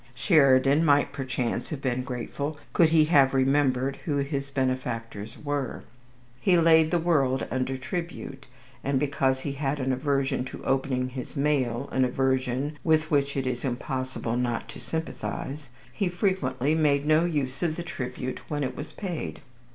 Sheridan might perchance have been grateful, could he have remembered who his benefactors were. He laid the world under tribute; and because he had an aversion to opening his mail, an aversion with which it is impossible not to sympathize, he frequently made no use of the tribute when it was paid.